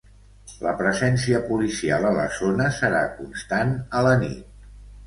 La presència policial a la zona serà constant a la nit.